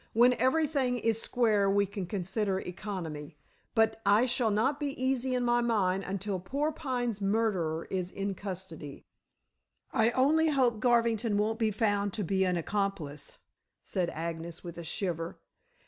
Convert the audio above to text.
When everything is square we can consider economy. But I shall not be easy in my mind until poor Pine's murderer is in custody." "I only hope Garvington won't be found to be an accomplice," said Agnes, with a shiver.